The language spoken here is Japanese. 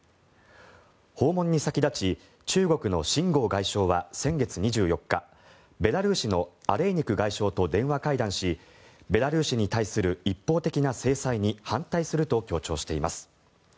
訪問に先立ち中国の秦剛外相は先月２４日ベラルーシのアレイニク外相と電話会談しベラルーシに対する一方的な制裁に反対すると強調しています。